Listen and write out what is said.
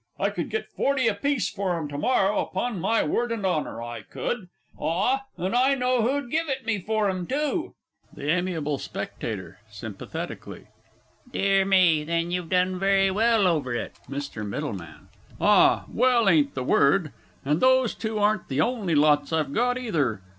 I could get forty a piece for 'em to morrow, upon my word and honour, I could. Ah, and I know who'd give it me for 'em, too! THE A. S. (sympathetically). Dear me, then you've done very well over it. MR. M. Ah, well ain't the word and those two aren't the only lots I've got either.